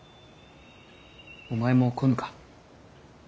お前も来ぬか。